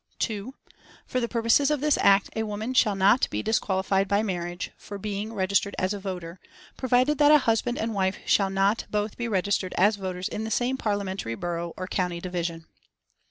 "2. For the purposes of this Act a woman shall not be disqualified by marriage for being registered as a voter, provided that a husband and wife shall not both be registered as voters in the same Parliamentary borough or county division."